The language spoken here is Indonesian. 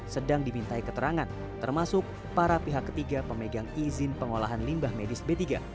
sedang dimintai keterangan termasuk para pihak ketiga pemegang izin pengolahan limbah medis b tiga